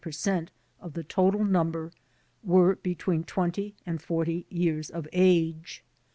5 per cent of the total num ber, were between 20 and 40 years of age.